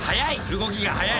動きが速い。